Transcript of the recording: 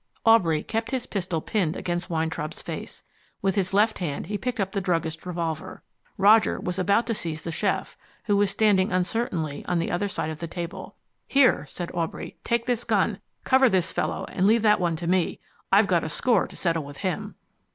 Aubrey kept his pistol pinned against Weintraub's face. With his left hand he picked up the druggist's revolver. Roger was about to seize the chef, who was standing uncertainly on the other side of the table. "Here," said Aubrey, "take this gun. Cover this fellow and leave that one to me. I've got a score to settle with him."